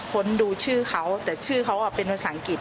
ค้นดูชื่อเขาแต่ชื่อเขาเป็นภาษาอังกฤษ